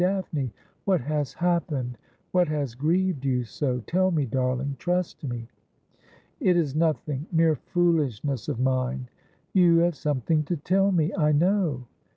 'Daphne, what has happened — what has grieved you so? Tell me, darling ; trust me.' ' It is nothing ; mere foolishness of mine.' ' You have something to tell me, I know.'